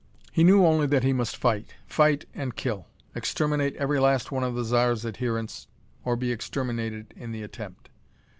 He knew only that he must fight; fight and kill; exterminate every last one of the Zar's adherents or be exterminated in the attempt.